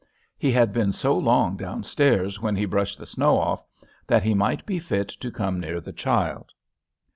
He had been so long down stairs while he brushed the snow off, that he might be fit to come near the child.